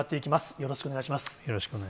よろしくお願いします。